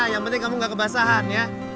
yang penting kamu gak kebasahan ya